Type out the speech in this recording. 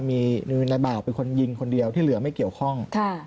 มีนายบ่าวเป็นคนยิงคนเดียวที่เหลือไม่เกี่ยวข้อง